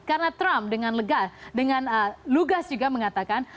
karena trump dengan lega dengan lugas juga mengatakan